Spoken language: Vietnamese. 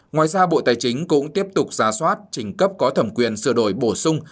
ngoài ra bộ tài chính cũng tiếp tục ra soát trình cấp có thẩm quyền sửa đổi bổ sung